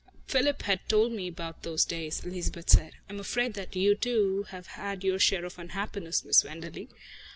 "Philip has told me about those days," Elizabeth said. "I am afraid that you, too, have had your share of unhappiness, Miss Wenderley.